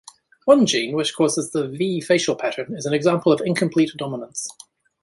One gene, which causes the "V" facial pattern is an example of incomplete dominance.